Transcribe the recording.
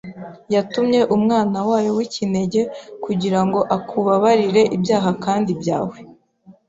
yatumye Umwana wa yo w’ikinege kugira ngo akubabarire ibyaha kandi byawe.